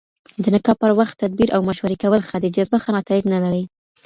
د نکاح پر وخت تدبير او مشورې کول ښه دي، جذبه ښه نتايج نلري